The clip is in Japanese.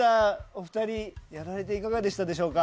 お二人、やられていかがでしたか。